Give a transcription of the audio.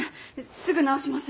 すぐ直します。